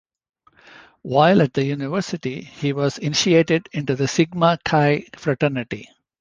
While at the university, he was initiated into the Sigma Chi fraternity.